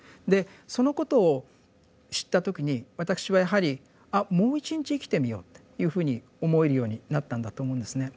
でそのことを知った時に私はやはり「あもう一日生きてみよう」というふうに思えるようになったんだと思うんですね。